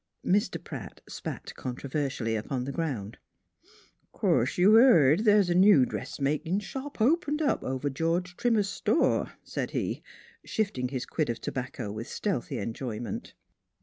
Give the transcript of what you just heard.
Mr. Pratt spat controversially upon the ground. " 'Course you've heared th's a new dressmakin' shop opened up over George Trimmer's store," said he, shifting his quid of tobacco with stealthy enjoyment.